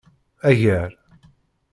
Agar.